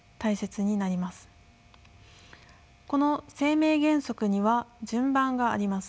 この生命原則には順番があります。